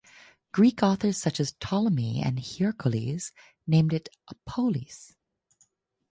Greek authors such as Ptolemy and Hierocles name it a "polis".